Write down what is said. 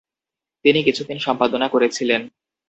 তিনি কিছুদিন সম্পাদনা করেছিলেন।